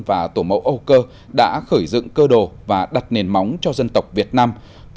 và tổ mẫu âu cơ đã khởi dựng cơ đồ và đặt nền móng cho dân tộc việt nam